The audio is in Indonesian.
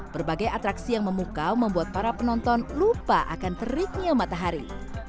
berbagai atraksi yang memukau membuat para penonton lupa akan teriknya matahari